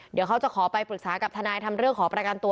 เดี๋ยวเขาจะขอไปปรึกษากับทนายทำเรื่องขอประกันตัว